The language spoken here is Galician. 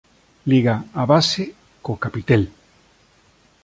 Liga a base co capitel.